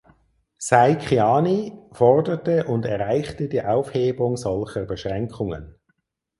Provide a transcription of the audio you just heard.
Saikiani forderte und erreichte die Aufhebung solcher Beschränkungen.